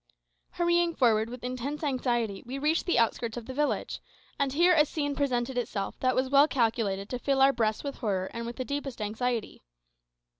Hurrying forward with intense anxiety, we reached the outskirts of the village; and here a scene presented itself that was well calculated to fill our breasts with horror and with the deepest anxiety.